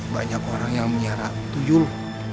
banyak orang yang menyara tujul